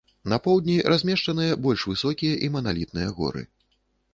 На поўдні размешчаныя больш высокія і маналітныя горы.